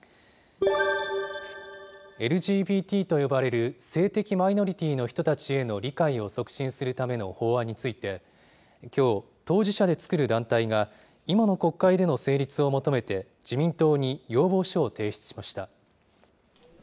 ＬＧＢＴと呼ばれる、性的マイノリティーの人たちへの理解を促進するための法案について、きょう、当事者で作る団体が今の国会での成立を求めて、自民党に要望書を提出しました。